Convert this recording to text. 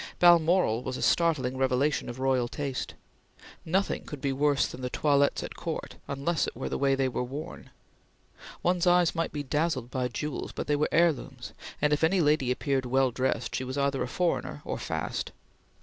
Balmoral was a startling revelation of royal taste. Nothing could be worse than the toilettes at Court unless it were the way they were worn. One's eyes might be dazzled by jewels, but they were heirlooms, and if any lady appeared well dressed, she was either a foreigner or "fast."